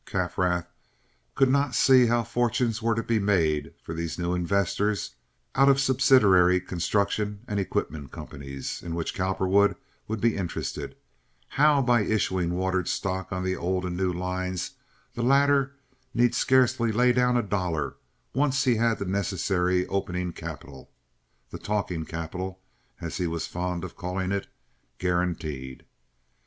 Kaffrath could not see how fortunes were to be made for these new investors out of subsidiary construction and equipment companies, in which Cowperwood would be interested, how by issuing watered stock on the old and new lines the latter need scarcely lay down a dollar once he had the necessary opening capital (the "talking capital," as he was fond of calling it) guaranteed.